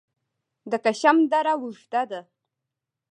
د کشم دره اوږده ده